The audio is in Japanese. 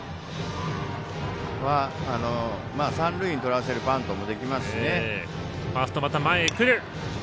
三塁にとらせるバントもできますしね。